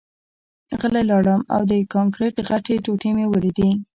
غلی لاړم او د کانکریټ غټې ټوټې مې ولیدې